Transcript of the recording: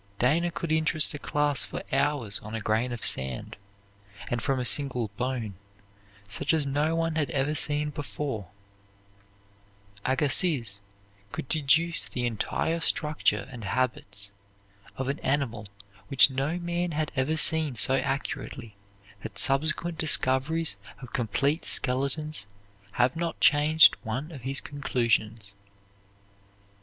Dana could interest a class for hours on a grain of sand; and from a single bone, such as no one had ever seen before, Agassiz could deduce the entire structure and habits of an animal which no man had ever seen so accurately that subsequent discoveries of complete skeletons have not changed one of his conclusions.